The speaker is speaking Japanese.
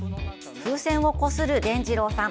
風船をこするでんじろうさん。